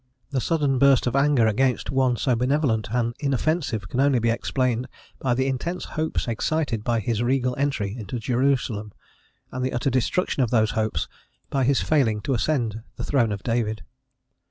The sudden burst of anger against one so benevolent and inoffensive can only be explained by the intense hopes excited by his regal entry into Jerusalem, and the utter destruction of those hopes by his failing to ascend the throne of David.